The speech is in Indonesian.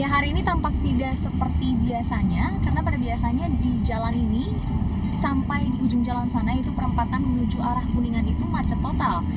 hari ini tampak tidak seperti biasanya karena pada biasanya di jalan ini sampai di ujung jalan sana yaitu perempatan menuju arah kuningan itu macet total